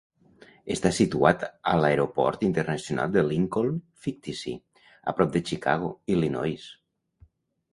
Està situat a l'Aeroport Internacional de Lincoln fictici, a prop de Chicago, Illinois.